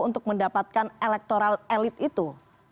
untuk mendapatkan elektoral elit itu